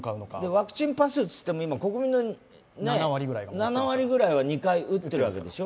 ワクチンパスっていっても国民の７割ぐらいは２回打ってるわけでしょ。